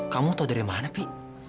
kamu tahu dari mana pi